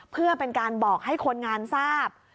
เพื่อเป็นการบอกให้คนงานทราบ